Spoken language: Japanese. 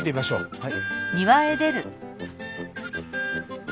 はい。